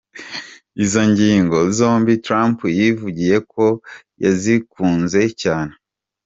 Inzo ngingo zombi Trump yivugiye ko yazikunze cyane!